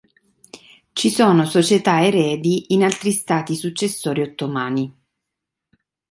Ci sono società eredi in altri Stati successori ottomani.